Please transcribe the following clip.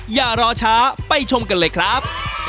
อย่ารอช้าไปชมกันเลยครับ